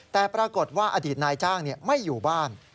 แต่ปรากฏว่าอดีตนายจ้างไม่อยู่บ้าน